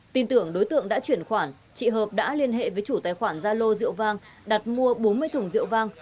tin tưởng đối tượng đã chuyển khoản chị hợp đã liên hệ với chủ tài khoản gia lô rượu vang đặt mua bốn mươi thùng rượu vang